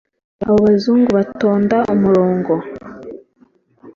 abo bazungu batonda umurongo